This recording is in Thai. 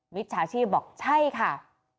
จฉาชีพบอกใช่ค่ะ